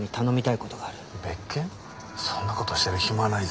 そんな事してる暇はないぞ。